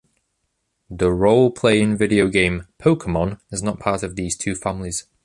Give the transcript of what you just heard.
The role-playing video game, Pokémon, is not part of these two families.